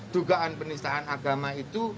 dugaan penistaan agama itu